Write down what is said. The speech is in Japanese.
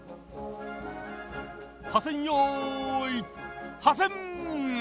破線よい破線！